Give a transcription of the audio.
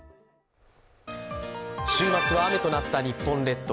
週末は雨となった日本列島。